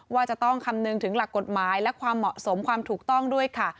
ว่าจะต้องคำนึงถึงหลักกฎหมายและความเหมาะสมความถูกต้องด้วยค่ะ